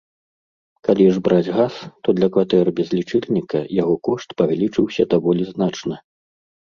Калі ж браць газ, то для кватэр без лічыльніка яго кошт павялічыўся даволі значна.